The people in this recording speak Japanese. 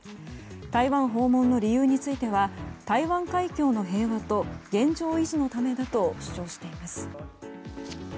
台湾訪問の理由については台湾海峡の平和と現状維持のためだと主張しています。